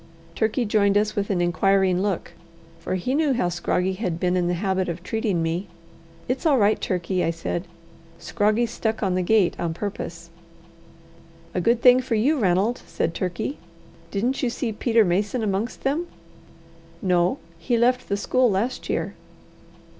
Turkey joined us with an inquiring look, for he knew how Scroggie had been in the habit of treating me. "It's all right, Turkey," I said. "Scroggie stuck on the gate on purpose." "A good thing for you, Ranald!" said Turkey. "Didn't you see Peter Mason amongst them?" "No. He left the school last year."